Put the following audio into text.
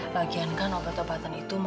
lagian kan obat obatan itu ma